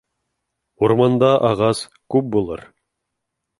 Урманда ағас күп булыр